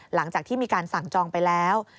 หลังจากที่มีการสั่งจองไปแล้ว